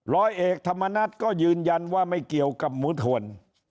ร้อยเอกธรรมนัฏก็ยืนยันว่าไม่เกี่ยวกับหมูถวน